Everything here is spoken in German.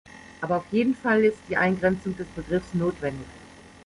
Aber auf jeden Fall ist die Eingrenzung des Begriffs notwendig.